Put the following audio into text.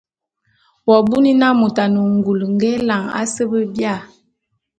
W'abuni na môt a ne ngul nge élan à se be bia?